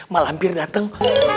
malah hampir dateng